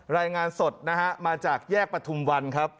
รายงานสดนะฮะมาจากแยกประทุมวันครับ